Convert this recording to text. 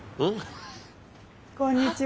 こんにちは。